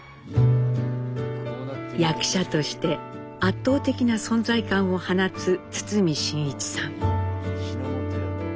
役者として圧倒的な存在感を放つ堤真一さん。